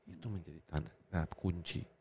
itu menjadi tanah kunci